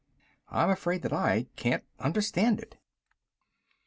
I'm afraid that I can't ... understand it."